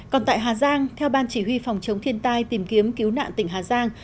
còn tại hà giang theo ban chỉ huy phòng chống thiên tai tìm kiếm cứu nạn tỉnh hà giang